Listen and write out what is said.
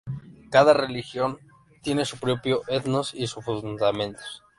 Cada religión tiene su propio ethos y sus fundamentos.